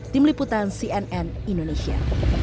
keputan cnn indonesia